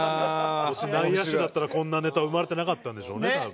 もし内野手だったらこんなネタ生まれてなかったんでしょうね多分。